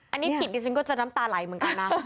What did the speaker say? อันนี้ผิดดิฉันก็จะน้ำตาไหลเหมือนกันนะ